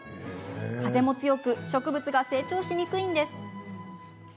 風も強く植物が成長しにくいんです。